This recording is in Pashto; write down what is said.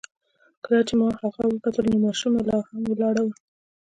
کله چې هغه وکتل نو ماشومه لا هم ولاړه وه.